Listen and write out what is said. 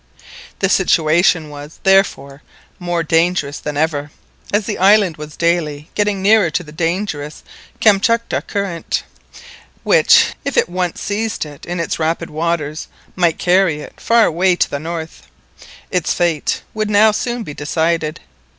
The situation was, therefore, more dangerous than ever, as the island was daily getting nearer to the dangerous Kamtchatka Current, which, if it once seized it in its rapid waters, might carry it far away to the north. Its fate would now soon be decided.